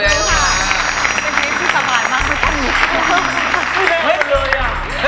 ชื่อสบายมาก